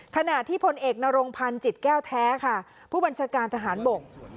ขณะที่พลเอกนรงพันธ์จิตแก้วแท้ค่ะผู้บัญชาการทหารบก